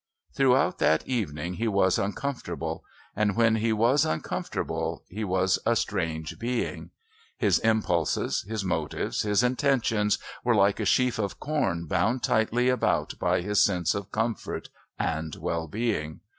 Throughout that evening he was uncomfortable, and when he was uncomfortable he was a strange being. His impulses, his motives, his intentions were like a sheaf of corn bound tightly about by his sense of comfort and well being.